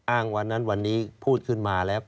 วันนั้นวันนี้พูดขึ้นมาแล้ว